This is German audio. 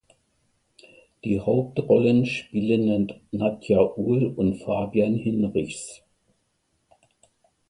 Die Hauptrollen spielen Nadja Uhl und Fabian Hinrichs.